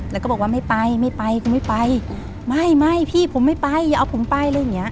แล้วก็บอกว่าไม่ไปไม่ไปกูไม่ไปไม่ไม่พี่ผมไม่ไปอย่าเอาผมไปอะไรอย่างเงี้